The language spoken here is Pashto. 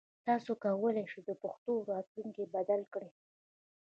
تاسو کولای شئ د پښتو راتلونکی بدل کړئ.